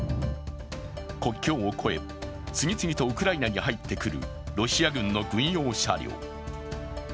国境を越え、次々とウクライナに入ってくるロシア軍の軍用車両。